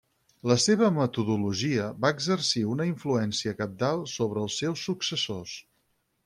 La seva metodologia va exercir una influència cabdal sobre els seus successors.